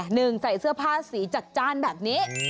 หนึ่งใส่เสื้อผ้าสีจัดจ้านแบบนี้